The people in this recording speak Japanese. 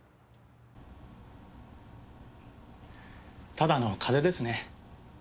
ただの風邪ですね。